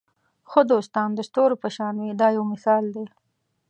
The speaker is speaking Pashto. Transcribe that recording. ښه دوستان د ستورو په شان وي دا یو مثال دی.